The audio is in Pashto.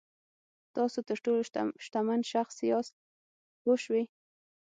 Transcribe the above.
تاسو تر ټولو شتمن شخص یاست پوه شوې!.